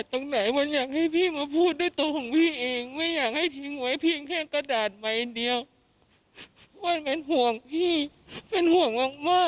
คุณผู้ชมเดี๋ยวฟังเสียงเถอะหน่อยค่ะ